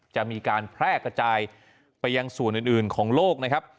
จะมีการแพร่กระจายไปยังส่วนอื่นของโลกนะครับ